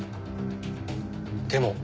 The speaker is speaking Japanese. でも。